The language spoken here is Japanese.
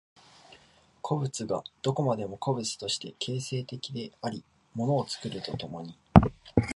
個物がどこまでも個物として形成的であり物を作ると共に、